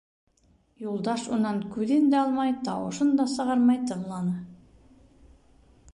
Юлдаш унан күҙен дә алмай, тауышын да сығармай тыңланы.